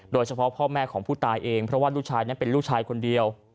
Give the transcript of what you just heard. โดยเฉพาะพ่อแม่ของผู้ตายเองเพราะว่ารู้ชายเป็นรู้ชายคนเดียว